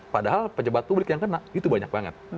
padahal pejabat publik yang kena itu banyak banget